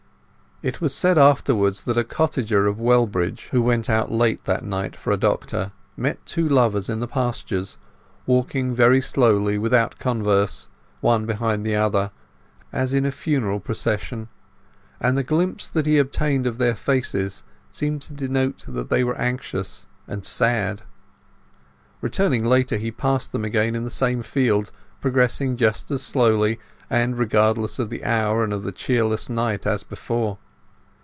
It was said afterwards that a cottager of Wellbridge, who went out late that night for a doctor, met two lovers in the pastures, walking very slowly, without converse, one behind the other, as in a funeral procession, and the glimpse that he obtained of their faces seemed to denote that they were anxious and sad. Returning later, he passed them again in the same field, progressing just as slowly, and as regardless of the hour and of the cheerless night as before.